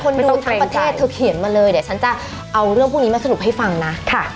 คนดูทั้งประเทศเธอเขียนมาเลยเดี๋ยวฉันจะเอาเรื่องพวกนี้มาสรุปให้ฟังนะ